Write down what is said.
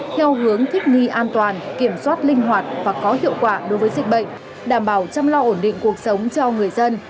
theo hướng thích nghi an toàn kiểm soát linh hoạt và có hiệu quả đối với dịch bệnh đảm bảo chăm lo ổn định cuộc sống cho người dân